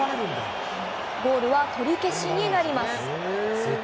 ゴールは取り消しになります。